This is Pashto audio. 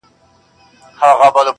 درته دعاوي هر ماښام كومه.